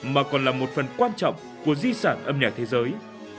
mà còn là một phần quan trọng của di sản âm nhạc thế giới